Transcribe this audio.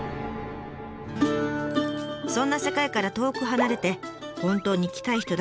「そんな世界から遠く離れて本当に来たい人だけが来る店。